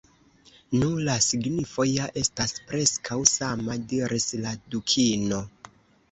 "Nu, la signifo ja estas preskaŭ sama," diris la Dukino